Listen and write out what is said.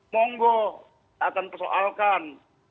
monggo akan persoalkan